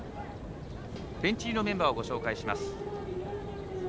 ベンチ入りのメンバーをご紹介します。